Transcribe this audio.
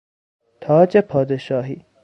تاج پادشاهی